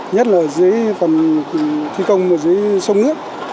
nhất là phần thi công ở dưới sông nước